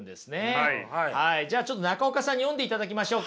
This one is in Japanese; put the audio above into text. じゃあちょっと中岡さんに読んでいただきましょうか。